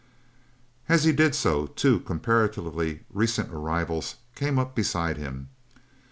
As he did so two comparatively recent arrivals came up beside him.